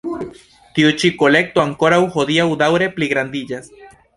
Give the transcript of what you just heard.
Tiu ĉi kolekto ankoraŭ hodiaŭ daŭre pligrandiĝas.